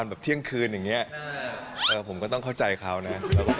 เราต้องเข้าใจเขานะ